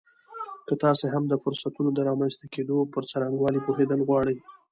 که تاسې هم د فرصتونو د رامنځته کېدو پر څرنګوالي پوهېدل غواړئ